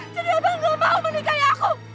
jadi abang gak mau menikahi aku